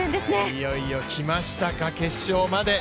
いよいよ来ましたか、決勝まで。